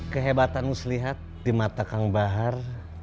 kehebatan muslihat di mata kang bahar